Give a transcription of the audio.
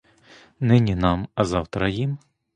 Нині нам, а завтра їм.